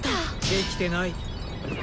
できてない。